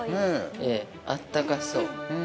ええ、あったかそう。